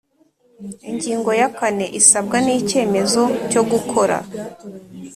Ingingo ya kane Isabwa ry icyemezo cyo gukora